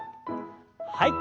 はい。